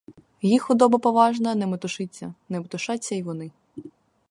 Їх худоба поважна, не метушиться — не метушаться й вони.